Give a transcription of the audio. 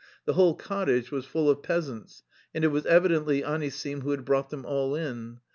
The whole cottage was full of peasants, and it was evidently Anisim who had brought them all in.